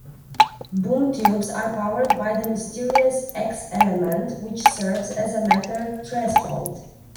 Boom tubes are powered by the mysterious X-element, which serves as a matter threshold.